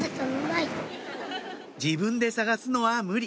自分で探すのは無理！